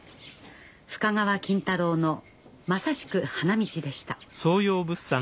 深川金太郎のまさしく花道でした。